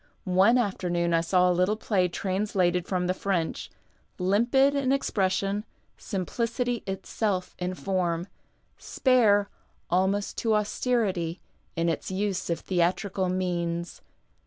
One after noon I saw a little play translated from the French, limpid in expression, simplicity itself in form, spare almost to austerity in its use of tluMtrical incans.